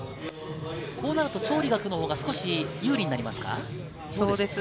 こうなるとチョウ・リガクのほうが少し有利になりますか？